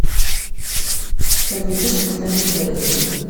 Sami d aselmad iggerzen.